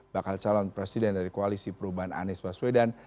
bakal calon presiden dari koalisi perubahan anies baswedan